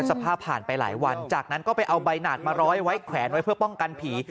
ผ่านไปหลายวันจากนั้นก็ไปเอาใบหนาดมาร้อยไว้แขวนไว้เพื่อป้องกันผี